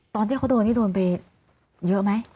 ตอนที่เขาโดนนี่โดนไปเยอะไหม